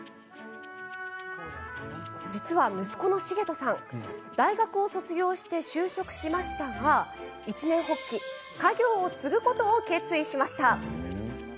実は息子の成人さん大学を卒業して就職しましたが一念発起、家業を継ぐことを決意しました。